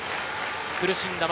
苦しんだ丸。